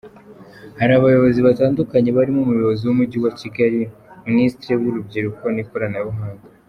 Hari abayobozi batandukanye barimo Umuyobozi w'umujyi wa Kigali, Minisitiri w'Urubyiruko n'Ikoranabuhanga.